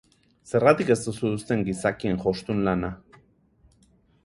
Zergatik ez duzu uzten gizakien jostun lana?